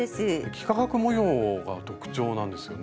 幾何学模様が特徴なんですよね。